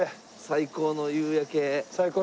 最高の夕焼け。